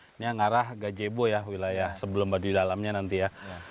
ini yang ngarah gajebo ya wilayah sebelum baduy dalamnya nanti ya